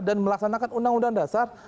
dan melaksanakan undang undang dasar